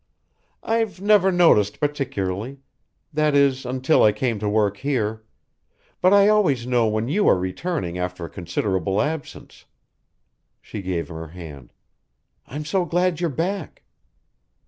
"I've never noticed particularly that is, until I came to work here. But I always know when you are returning after a considerable absence." She gave him her hand. "I'm so glad you're back."